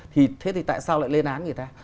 thế thì tại sao lại lên án người ta